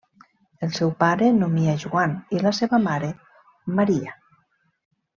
El seu pare nomia Joan i la seva mare Maria.